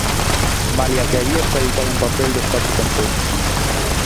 Malia que a guía está editada en papel dos catro concellos.